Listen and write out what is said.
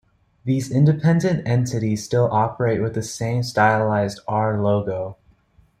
These independent entities still operate with the same stylized "R" logo.